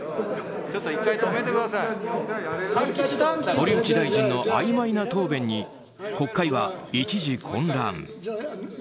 堀内大臣のあいまいな答弁に国会は一時、混乱。